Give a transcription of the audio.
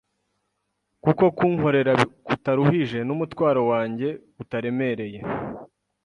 kuko kunkorera kutaruhije, n’umutwaro wanjye utaremereye”